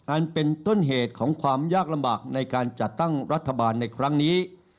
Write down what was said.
อันเป็นต้นเหตุของความยากลำบากในการจัดตั้งรัฐบาลในครั้งนี้